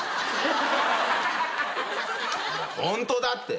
ホントだって。